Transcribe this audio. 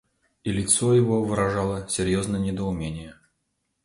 И лицо его выражало серьезное недоумение.